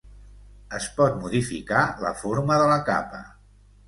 Es pot modificar la forma de la capa.